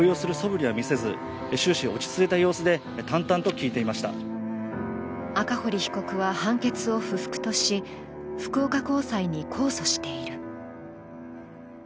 そして下された判決は赤堀被告は判決を不服とし、福岡高裁に控訴している。